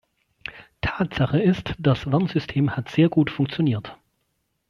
Tatsache ist, das Warnsystem hat sehr gut funktioniert.